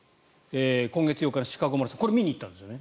今月８日のシカゴマラソンこれ見に行ったんですよね。